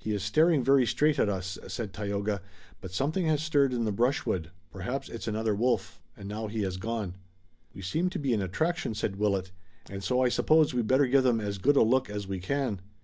"He is staring very straight at us," said Tayoga, "but something has stirred in the brushwood perhaps it's another wolf and now he has gone." "We seem to be an attraction," said Willet, "and so I suppose we'd better give 'em as good a look as we can."